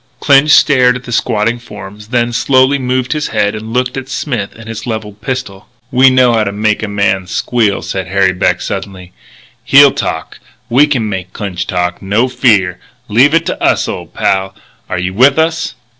Clinch stared at the squatting forms, then slowly moved his head and looked at Smith and his levelled pistol. "We know how to make a man squeal," said Harry Beck suddenly. "He'll talk. We can make Clinch talk, no fear! Leave it to us, old pal. Are you with us?"